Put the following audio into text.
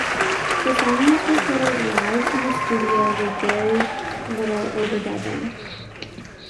The song was recorded live in the studio with very little overdubbing.